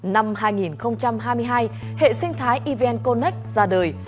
năm hai nghìn hai mươi hai hệ sinh thái evn connec ra đời